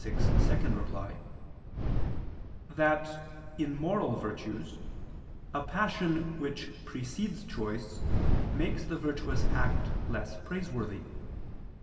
6, ad 2) that, in moral virtues, a passion which precedes choice makes the virtuous act less praiseworthy.